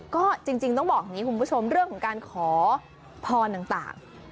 ก็จริงต้องบอกอย่างนี้คุณผู้ชมเรื่องของการขอพรต่าง